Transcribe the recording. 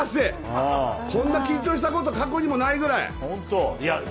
こんな緊張したことは過去にもないぐらい。